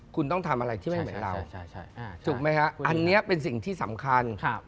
คุณต้องทำอะไรที่ไม่เหมือนเราถูกไหมฮะอันนี้เป็นสิ่งที่สำคัญ